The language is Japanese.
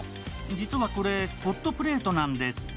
実はこれホットプレートなんです